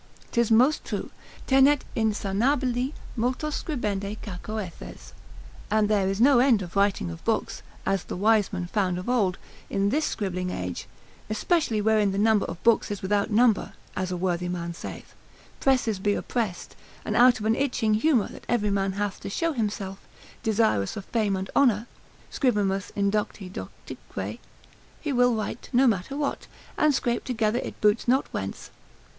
'Tis most true, tenet insanabile multos scribendi cacoethes, and there is no end of writing of books, as the wiseman found of old, in this scribbling age, especially wherein the number of books is without number, (as a worthy man saith,) presses be oppressed, and out of an itching humour that every man hath to show himself, desirous of fame and honour (scribimus indocti doctique——) he will write no matter what, and scrape together it boots not whence.